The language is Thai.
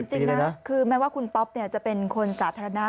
จริงนะคือแม้ว่าคุณป๊อปจะเป็นคนสาธารณะ